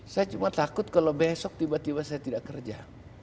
saya cuma takut kalau besok tiba tiba saya tidak kerja